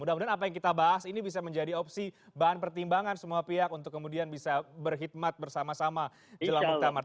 mudah mudahan apa yang kita bahas ini bisa menjadi opsi bahan pertimbangan semua pihak untuk kemudian bisa berkhidmat bersama sama jelang muktamar